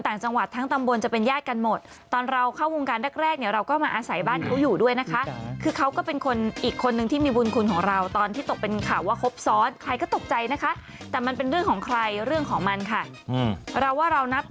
แต่ว่ามันมีข่าวว่าหยุดกันไปหรือเปล่าอะไรอย่างนี้ไม่รู้นะ